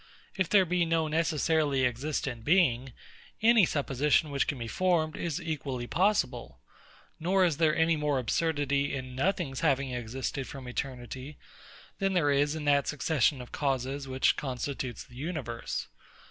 If there be no necessarily existent being, any supposition which can be formed is equally possible; nor is there any more absurdity in Nothing's having existed from eternity, than there is in that succession of causes which constitutes the universe.